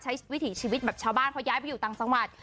วิถีชีวิตแบบชาวบ้านเขาย้ายไปอยู่ต่างจังหวัด